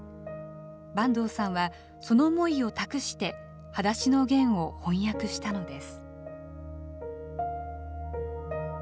坂東さんはその思いを託して、はだしのゲンを翻訳したのです。